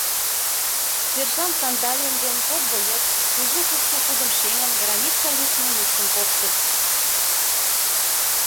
Сержант Кандалин ден кок боец, кужу кукшо шудым шеҥын, граница лишне нушкын коштыт.